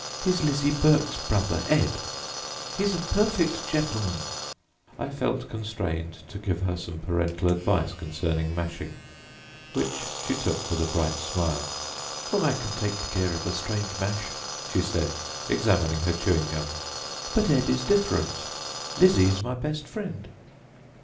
"He's Lizzie Burke's brother, Ed. He's a perfect gen'l'man." I felt constrained to give her some parental advice concerning mashing, which she took with a bright smile. "Oh, I can take care of a strange mash," she said, examining her chewing gum, "but Ed is different. Lizzie is my best friend."